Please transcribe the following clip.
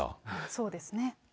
そうですね。